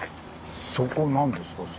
そこ何ですか？